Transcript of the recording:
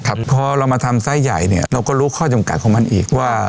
ครับพอเรามาทำไซส์ใหญ่เนี่ยเราก็รู้ข้อจำกัดของมันอีกว่า